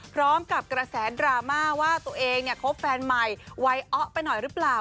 พร้อมกับกระแสดราม่าว่าตัวเองเนี่ยคบแฟนใหม่วัยเอ๊ะไปหน่อยหรือเปล่า